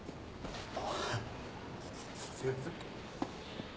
ああすいません。